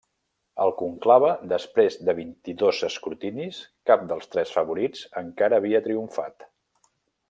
Al conclave, després de vint-i-dos escrutinis, cap dels tres favorits encara havia triomfat.